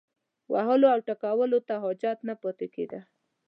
وهلو او ټکولو ته حاجت نه پاتې کېده.